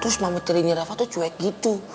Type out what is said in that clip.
terus mami teringat reva tuh cuek gitu